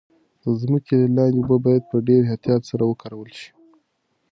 د ځمکې لاندې اوبه باید په ډیر احتیاط سره وکارول شي.